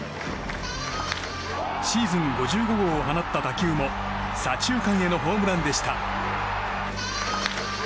シーズン５５号を放った打球も左中間へのホームランでした。